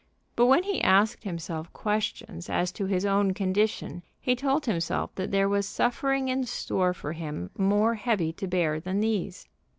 But when he asked himself questions as to his own condition he told himself that there was suffering in store for him more heavy to bear than these.